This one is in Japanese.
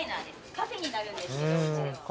カフェになるんですけどうちでは。